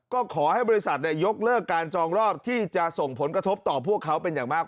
ก็ขอให้บริษัทยกเลิกการจองรอบที่จะส่งผลกระทบต่อพวกเขาเป็นอย่างมาก